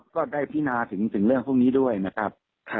ก็ได้พินาถึงเรื่องพวกนี้ด้วยนะครับ